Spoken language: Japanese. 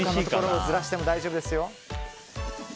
ずらしても大丈夫ですよ。